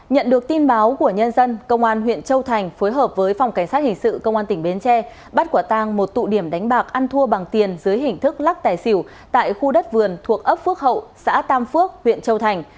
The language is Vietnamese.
nhận được tin báo của nhân dân công an huyện châu thành phối hợp với phòng cảnh sát hình sự công an tỉnh bến tre bắt quả tang một tụ điểm đánh bạc ăn thua bằng tiền dưới hình thức lắc tài xỉu tại khu đất vườn thuộc ấp phước hậu xã tam phước huyện châu thành